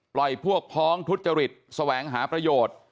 พวกพ้องทุจริตแสวงหาประโยชน์